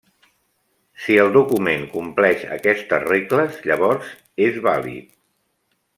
Si el document compleix aquestes regles, llavors és vàlid.